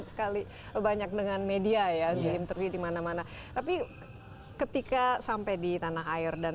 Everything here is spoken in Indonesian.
sekali banyak dengan media ya di interview dimana mana tapi ketika sampai di tanah air dan